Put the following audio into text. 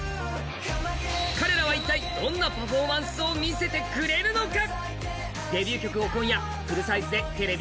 彼らは一体、どんなパフォーマンスを見せてくれるのか。